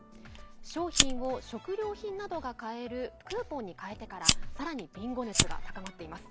賞品を食料品などが買えるクーポンに変えてからさらにビンゴ熱が高まっています。